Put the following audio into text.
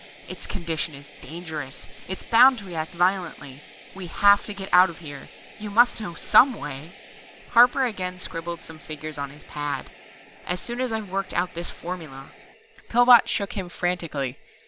Its condition is dangerous it's bound to react violently. We have to get out of here. You must know some way " Harper again scribbled some figures on his pad. "As soon as I've worked out this formula " Pillbot shook him frantically.